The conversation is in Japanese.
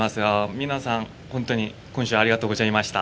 皆さん、本当に今週はありがとうございました。